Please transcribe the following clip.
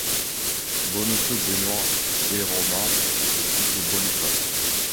Bonosio Benoît est romain et fils de Boniface.